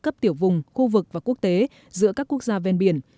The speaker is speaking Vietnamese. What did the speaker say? cấp tiểu vùng khu vực và quốc tế giữa các quốc gia ven biển